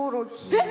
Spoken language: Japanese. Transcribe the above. えっ！